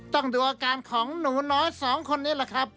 ต้องดูอาการของหนูน้อยสองคนนี้แหละครับ